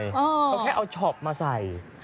เขาแค่เอาช็อปมาใส่